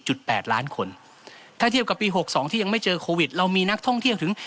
แปดล้านคนถ้าเทียบกับปีหกสองที่ยังไม่เจอโควิดเรามีนักท่องเที่ยวถึง